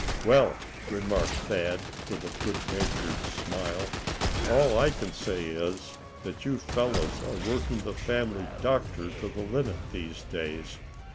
"Well," remarked Thad, with a good natured smile, "all I can say is, that you fellows are working the family doctor to the limit these days.